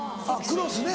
クロスね。